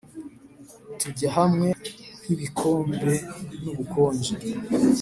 tujya hamwe nkibikombe nubukonje.